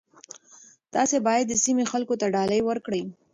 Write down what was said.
تاسي باید د سیمې خلکو ته ډالۍ ورکړئ.